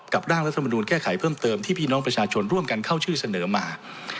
ร่างรัฐมนูลแก้ไขเพิ่มเติมที่พี่น้องประชาชนร่วมกันเข้าชื่อเสนอมา